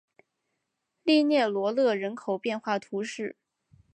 利涅罗勒人口变化图示